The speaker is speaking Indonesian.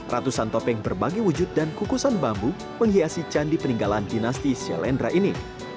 ratusan topeng berbagai wujud dan kukusan bambu menghiasi candi peninggalan dinasti shalendra ini